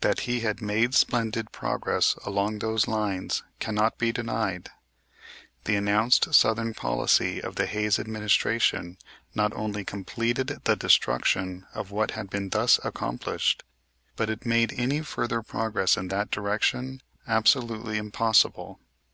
That he had made splendid progress along those lines cannot be denied. The announced southern policy of the Hayes administration not only completed the destruction of what had been thus accomplished, but it made any further progress in that direction absolutely impossible.